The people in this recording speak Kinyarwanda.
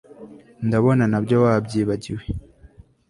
ndabona nabyo wabyibagiwe